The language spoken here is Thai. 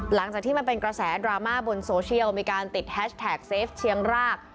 หลังจากที่มันเป็นกระแสดราม่าบนโซเชียลมีการติดแฮชแท็กเซฟเชียงราก